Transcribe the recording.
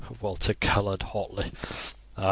Walter coloured hotly. "Ah!